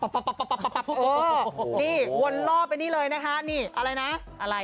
นี่วนล่อไปนี่เลยนะคะนี่อะไรนะอะไร